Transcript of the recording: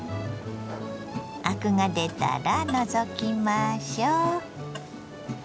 アクが出たら除きましょ。